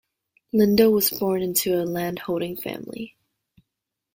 Lindo was born into a landholding family.